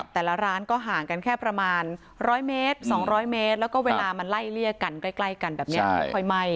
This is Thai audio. แต่ละร้านก็ห่างกันแค่ประมาณ๑๐๐เมตร๒๐๐เมตรแล้วก็เวลามันไล่เลี่ยกันใกล้กันแบบนี้ค่อยไหม้